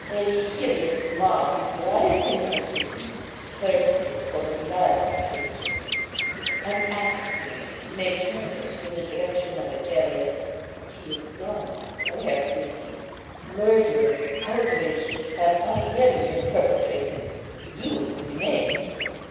A hideous mob is rioting in the city, thirsting for the blood of Christians; an accident may turn it in the direction of Agellius. He is gone; where is he? Murderous outrages have already been perpetrated; you remain."